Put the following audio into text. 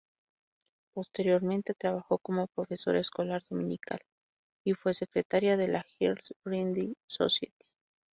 Posteriormente trabajó como profesora escolar dominical, y fue secretaria de la "Girls' Friendly Society".